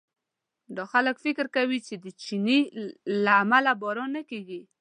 دا خلک فکر کوي چې د چیني له امله باران نه کېږي.